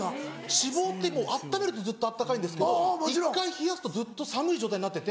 脂肪って温めるとずっと温かいんですけど１回冷やすとずっと寒い状態になってて。